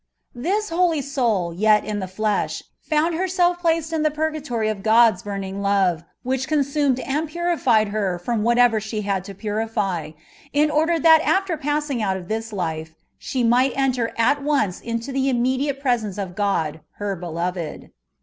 This holy soul, yet in the flesb, found herself placed in the purgatory of God's burning love, which con sumed and pnrified her fìx)ni whatever she had to pnrify, in order that after passing out of this life she might enter at once into the immediate pre sence of God her Beloved.